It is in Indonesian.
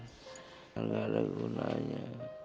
gak ada gunanya